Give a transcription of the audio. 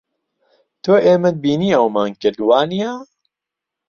تۆ ئێمەت بینی ئەوەمان کرد، وانییە؟